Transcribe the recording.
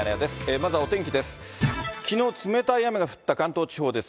まずはお天気です。